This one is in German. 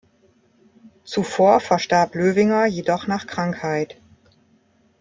Zuvor verstarb Löwinger jedoch nach Krankheit.